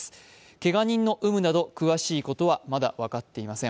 けが人の有無など詳しいことはまだ分かっていません。